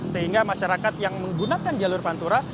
sehingga masyarakat yang menggunakan jalur pantura